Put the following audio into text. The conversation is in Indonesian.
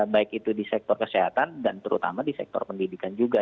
baik itu di sektor kesehatan dan terutama di sektor pendidikan juga